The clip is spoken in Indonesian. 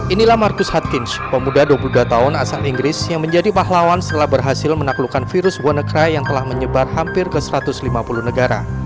inilah marcus hatkinsh pemuda dua puluh dua tahun asal inggris yang menjadi pahlawan setelah berhasil menaklukkan virus wannacry yang telah menyebar hampir ke satu ratus lima puluh negara